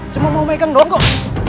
cuma mau maikan doang kok